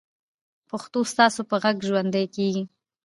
پښتو ستاسو په غږ ژوندۍ کېږي.